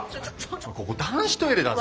ここ男子トイレだぞ！